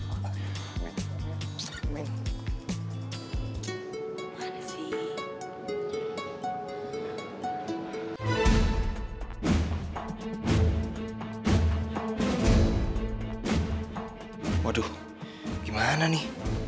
pinjam itu lagi gimanaoney